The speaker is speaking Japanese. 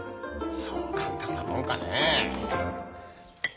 そう簡単なもんかねえ。